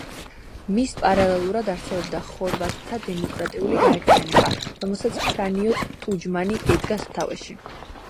მის პარალელურად არსებობდა ხორვატთა დემოკრატიული გაერთიანება, რომელსაც ფრანიო ტუჯმანი ედგა სათავეში.